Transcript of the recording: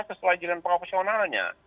sesuai dengan profesionalnya